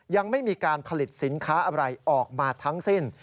ยังไม่มีการผลิตสินค้าอะไรออกมาทั้งสิ้น